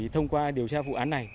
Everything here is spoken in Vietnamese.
thông qua điều tra vụ án này